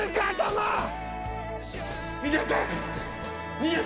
逃げて！